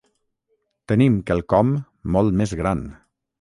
Tenim quelcom molt més gran.